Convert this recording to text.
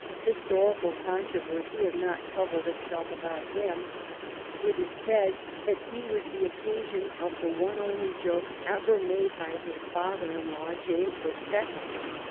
Historical controversy has not troubled itself about him. It is said that he was the occasion of the one only joke ever made by his father in law, James the Second.